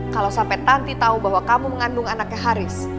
kalau sampai tanti tahu bahwa kamu mengandung anaknya haris